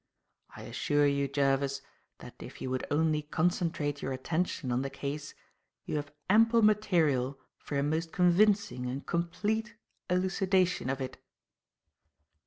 I assure you, Jervis, that if you would only concentrate your attention on the case, you have ample material for a most convincing and complete elucidation of it."